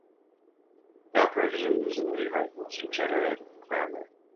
The operators are used in rewrite rules for generative grammars.